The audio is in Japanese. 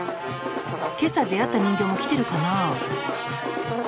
今朝出会った人形も来てるかなぁ。